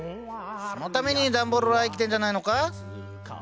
そのためにダンボールは生きてんじゃないのか？